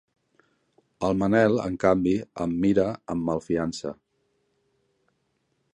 El Manel, en canvi, em mira amb malfiança.